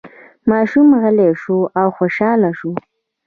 ماشوم غلی شو او خوشحاله شو.